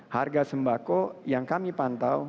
harga sembako yang kami pantau